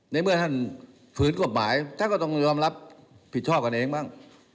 ในเมื่อท่านฝืนกฎหมายท่านก็ต้องยอมรับผิดชอบกันเองบ้าง